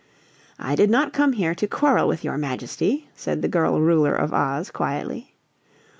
"I did not come here to quarrel with your Majesty," said the girl Ruler of Oz, quietly.